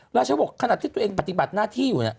ราชบอกขนาดที่ตัวเองปฏิบัติหน้าที่อยู่เนี่ย